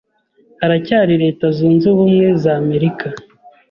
haracyari Leta Zunze Ubumwe za Amerika